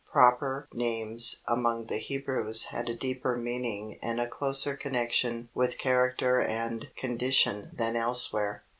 Proper names among the Hebrews had a deeper meaning and a closer connection with character and condition than elsewhere.